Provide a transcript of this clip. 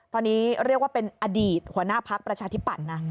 ตอนนี้เรียกว่าเป็นอดีตหัวหน้าพักประชาธิปัตย์นะ